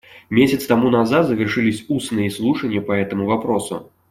Месяц тому назад завершились устные слушания по этому вопросу.